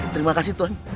terima kasih tuhan